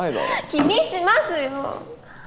気にしますよ！